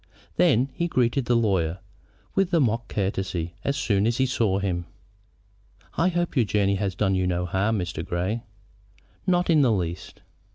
Then he greeted the lawyer with a mock courtesy as soon as he saw him. "I hope your journey has done you no harm, Mr. Grey." "Not in the least."